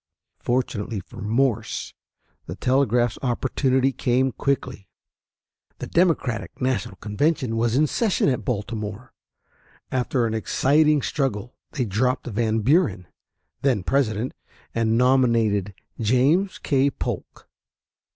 Fortunately for Morse, the telegraph's opportunity came quickly. The Democratic national convention was in session at Baltimore. After an exciting struggle they dropped Van Buren, then President, and nominated James K. Polk.